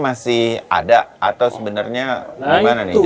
masih ada atau sebenarnya gimana nih